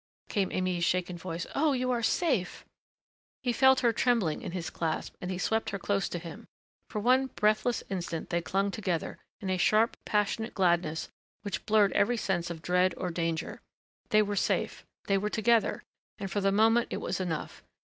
came Aimée's shaken voice. "Oh, you are safe!" He felt her trembling in his clasp and he swept her close to him. For one breathless instant they clung together, in a sharp, passionate gladness which blurred every sense of dread or danger. They were safe they were together and for the moment it was enough.